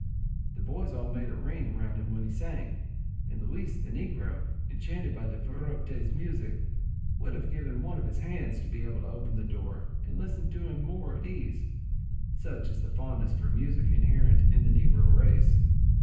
The boys all made a ring round him when he sang, and Luis the negro, enchanted by the virote's music, would have given one of his hands to be able to open the door, and listen to him more at his ease, such is the fondness for music inherent in the negro race.